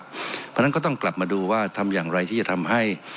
เพราะฉะนั้นก็ต้องกลับมาดูว่าทำอย่างไรที่จะทำให้